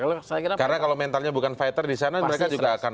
karena kalau mentalnya bukan fighter disana mereka juga akan